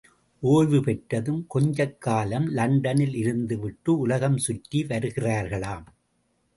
ஒய்வு பெற்றதும் கொஞ்ச காலம் லண்டனில் இருந்துவிட்டு உலகம் சுற்றி வருகிறார்களாம்.